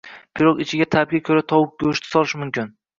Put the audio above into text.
Pirog ichiga ta’bga ko‘ra tovuq go‘shti solish mumkin